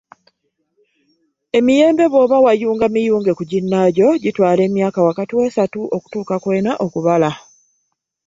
Emiyembe bw’oba wayunga miyunge ku ginnaagyo gitwala emyaka wakati w’esatu okutuuka kw’ena okubala.